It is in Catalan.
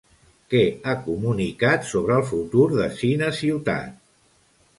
Què ha comunicat sobre el futur de CineCiutat?